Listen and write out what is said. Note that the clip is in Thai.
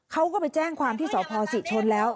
เขาก็ไปแจ้งความที่สพศรีชนแล้ว